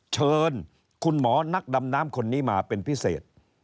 เชิญคุณหมอนักดำน้ำคนนี้มาเป็นพิเศษ